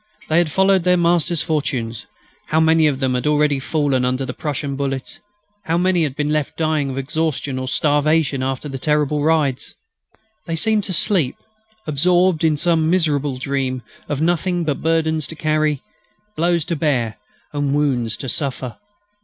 They had followed their masters' fortunes. How many of them had already fallen under the Prussian bullets; how many had been left dying of exhaustion or starvation after our terrible rides! They seemed to sleep, absorbed in some miserable dream of nothing but burdens to carry, blows to bear, and wounds to suffer.